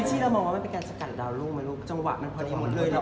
นี่ที่เรามองว่ามันเป็นการจะกัดดาวน์รุ่งไม่รู้จังหวะมันพอดีหมดเลย